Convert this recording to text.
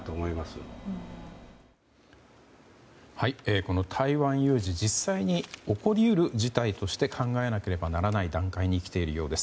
この台湾有事実際に起こり得る事態として考えなければならない段階にきているようです。